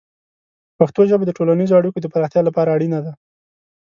پښتو ژبه د ټولنیزو اړیکو د پراختیا لپاره اړینه ده.